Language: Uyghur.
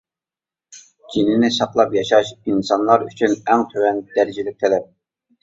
جېنىنى ساقلاپ ياشاش ئىنسانلار ئۈچۈن ئەڭ تۆۋەن دەرىجىلىك تەلەپ.